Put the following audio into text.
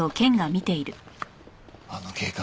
あの警官